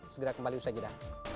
segera kembali usaha jeda